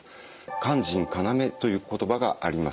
「肝腎要」という言葉があります。